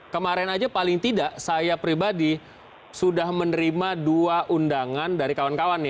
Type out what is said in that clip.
kemarin aja paling tidak saya pribadi sudah menerima dua undangan dari kawan kawan nih